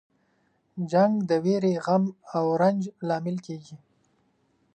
جنګ د ویرې، غم او رنج لامل کیږي.